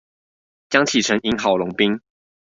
江啟臣贏郝龍斌